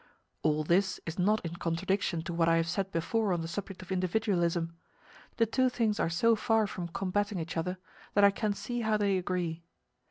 All this is not in contradiction to what I have said before on the subject of individualism. The two things are so far from combating each other, that I can see how they agree.